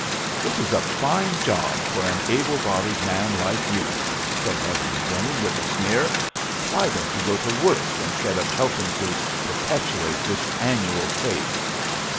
"This is a fine job for an able bodied man like you!" said Hetherington with a sneer. "Why don't you go to work instead of helping to perpetuate this annual fake?"